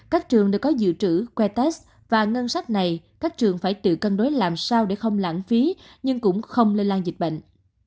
các trường đều có dự trữ que test và ngân sách này các trường phải tự cân đối làm sao để không lãng phí nhưng cũng không lây lan dịch bệnh